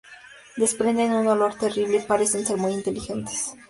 Desprenden un olor terrible y parecen ser muy inteligentes.